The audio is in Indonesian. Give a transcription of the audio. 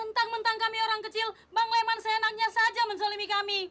bentang bentang kami orang kecil bang leman seenaknya saja menselimi kami